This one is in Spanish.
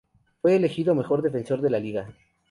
Fue elegido mejor defensor de la liga.